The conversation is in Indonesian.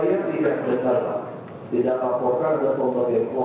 yang diinspeksi semua itu